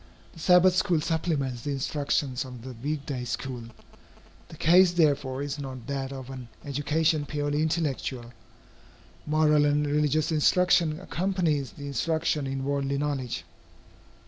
The Sabbath school supplements the instructions of the week day school. The case, therefore, is not that of an education purely intellectual. Moral and religious instruction accompanies the instruction in worldly knowledge.